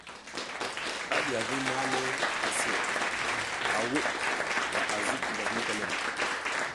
A diya ving nang le asi a wuɗ ɓa a zuɓ ngwas mekelem.